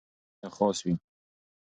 که رښتیا وي نو خاص وي.